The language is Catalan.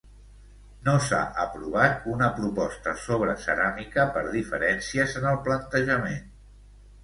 No s'ha aprovat una proposta sobre ceràmica per diferències en el plantejament.